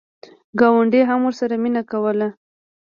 ګاونډي هم ورسره مینه کوله.